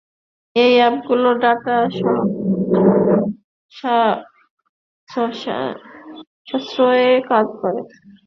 এ অ্যাপগুলো ডাটা সাশ্রয়ে কাজ করে।